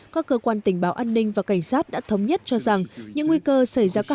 các cơ quan tình báo an ninh và cảnh sát đã thống nhất cho rằng những nguy cơ xảy ra các